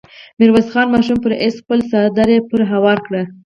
ميرويس خان ماشوم پرې ايست، خپل څادر يې پرې هوار کړ.